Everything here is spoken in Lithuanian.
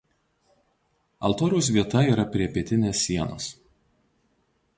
Altoriaus vieta yra prie pietinės sienos.